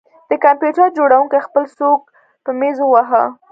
د کمپیوټر جوړونکي خپل سوک په میز وواهه